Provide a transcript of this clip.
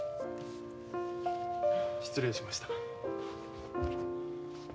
失礼しました。